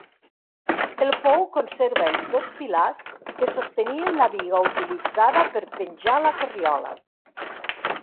El pou conserva els dos pilars que sostenien la biga utilitzada per penjar la corriola.